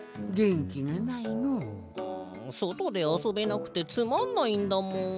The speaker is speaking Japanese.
そとであそべなくてつまんないんだもん。